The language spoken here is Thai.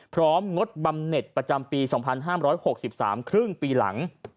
งดบำเน็ตประจำปี๒๕๖๓ครึ่งปีหลัง